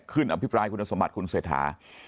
อภิปรายคุณสมบัติคุณเศรษฐา